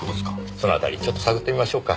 その辺りちょっと探ってみましょうか。